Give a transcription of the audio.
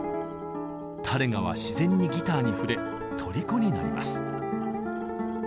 タレガは自然にギターに触れとりこになります。